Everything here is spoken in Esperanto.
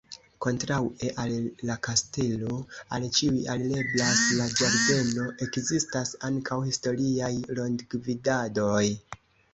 Kontraŭe al la kastelo al ĉiuj alireblas la ĝardeno; ekzistas ankaŭ historiaj rondgivdadoj.